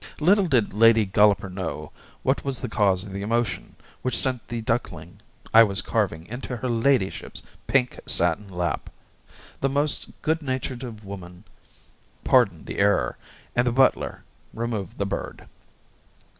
Little did Lady Golloper know what was the cause of the emotion which sent the duckling I was carving into her ladyship's pink satin lap. The most good natured of women pardoned the error, and the butler removed the bird.